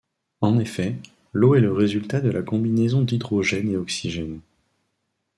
En effet, l'eau est le résultat de la combinaison d'hydrogène et oxygène.